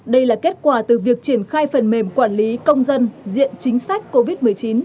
đây là kết quả từ việc triển khai phần mềm quản lý công dân diện chính sách covid một mươi chín